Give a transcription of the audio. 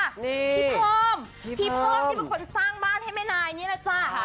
พี่เพิ่มพี่เพิ่มนี่เป็นคนสร้างบ้านให้แม่นายนี่แหละจ้ะ